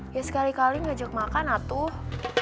ya sekali kali ngajak makan atuh